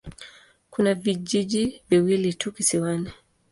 Kuna vijiji viwili tu kisiwani.